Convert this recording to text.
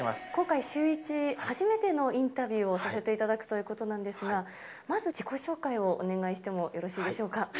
今回、シューイチ初めてのインタビューをさせていただくということなんですが、まず、自己紹介をお願いしてもよろしいでしょうか。